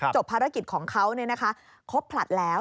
ภารกิจของเขาครบผลัดแล้ว